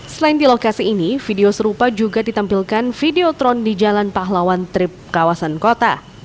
selain di lokasi ini video serupa juga ditampilkan videotron di jalan pahlawan trip kawasan kota